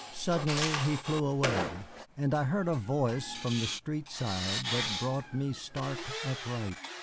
Suddenly he flew away, and I heard a voice from the street side that brought me stark upright.